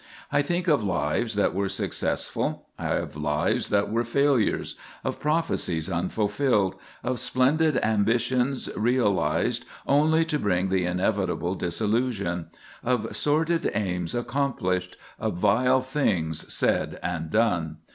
I think of lives that were successful, and of lives that were failures; of prophecies unfulfilled; of splendid ambitions realized only to bring the inevitable disillusion; of sordid aims accomplished; of vile things said and done.